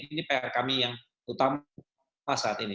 ini pr kami yang utama saat ini